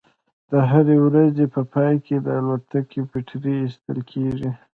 د هرې ورځې په پای کې د الوتکې بیټرۍ ایستل کیږي